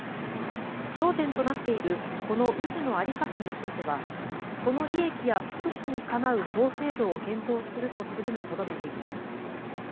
焦点となっている子の氏の在り方については子の利益や福祉にかなう法制度を検討するとするにとどめています。